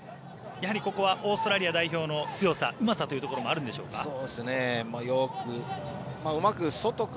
やはり、ここはオーストラリア代表の強さ、うまさというところもあるんでしょうか。